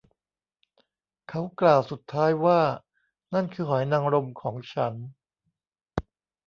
เขากล่าวสุดท้ายว่า นั่นคือหอยนางรมของฉัน